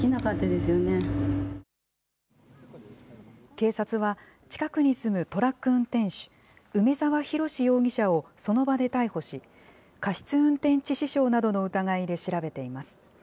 警察は、近くに住むトラック運転手、梅澤洋容疑者をその場で逮捕し、過失運転致死傷などの疑いで調べています。